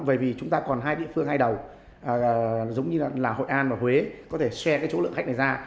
bởi vì chúng ta còn hai địa phương hai đầu giống như là hội an và huế có thể share cái chỗ lượng khách này ra